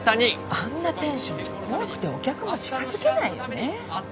あんなテンションじゃ怖くてお客も近づけないよね。